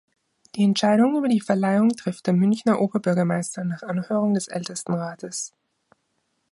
Die Entscheidung über die Verleihung trifft der Münchner Oberbürgermeister nach Anhörung des Ältestenrates.